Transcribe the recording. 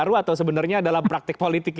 kita butuh total efek